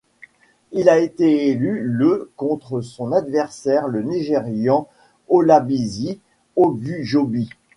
Il a été élu le contre son adversaire le Nigérian Olabisi Ogunjobi.